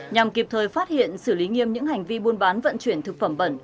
nhằm kịp thời phát hiện xử lý nghiêm những hành vi buôn bán vận chuyển thực phẩm bẩn